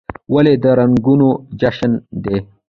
هولي د رنګونو جشن دی.